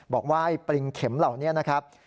บอกว่าไอ้ปริงเข็มเหล่านี้นะครับ